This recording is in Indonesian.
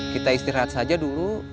kita istirahat saja dulu